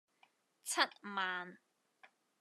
七萬